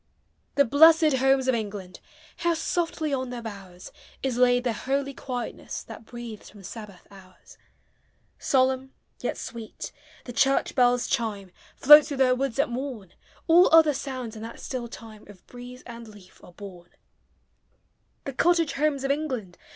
The blessed Homes of England! How softly on their bowers Is laid the holy quietness That breathes from Sabbath hours! Solemn, yet sweet, the church bell's chime Floats through their woods at morn; All other sounds, in that still time, Of breeze and leaf are born. The cottage Homes of England!